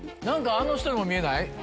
あの人にも見えない？